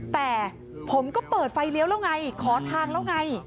แต่ผมก็เปิดไฟเลี้ยวแล้วไงขอทางแล้วไง